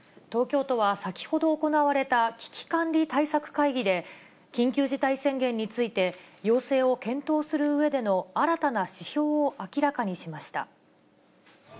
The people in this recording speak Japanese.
東京都は先ほど行われた危機管理対策会議で、緊急事態宣言について、要請を検討するうえでの新たな指標を明らかにしました。